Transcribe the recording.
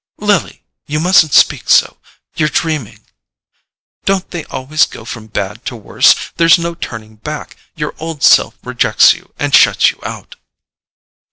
"Lily! you mustn't speak so—you're dreaming." "Don't they always go from bad to worse? There's no turning back—your old self rejects you, and shuts you out."